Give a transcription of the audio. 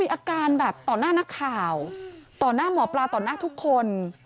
อาการแบบต่อหน้านักข่าวต่อหน้าหมอปลาต่อหน้าทุกคน